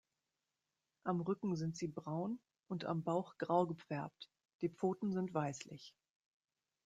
Am Rücken sind sie braun und am Bauch grau gefärbt, die Pfoten sind weißlich.